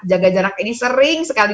jaga jarak ini sering sekali